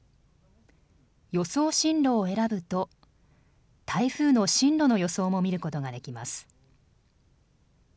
予想進路を選ぶと台風の進路の予想も見ることができます。